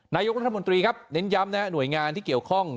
นายกรัฐมนตรีครับเน้นย้ำนะฮะหน่วยงานที่เกี่ยวข้อง